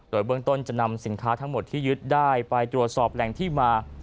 โดยเบื้องต้นจะนำสินค้าทั้งหมดที่ยึดได้ไปตรวจสอบแหล่งที่มา